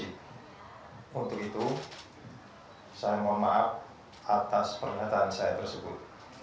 untuk itu saya mohon maaf atas pernyataan saya tersebut